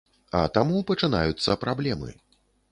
А таму пачынаюцца праблемы.